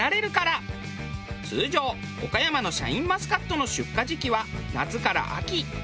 通常岡山のシャインマスカットの出荷時期は夏から秋。